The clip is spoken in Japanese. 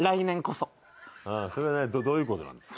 それはどういうことなんですか？